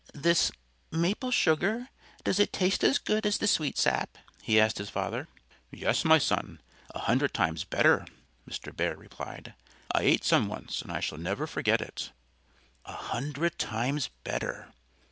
"This maple sugar does it taste as good as the sweet sap?" he asked his father. "Yes, my son a hundred times better!" Mr. Bear replied. "I ate some once And I shall never forget it." _A hundred times better!